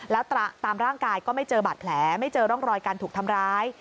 แล้วตามร่างกายก็ไม่เจอบาดแผลไม่เจอร่องรอยการถูกทำร้าย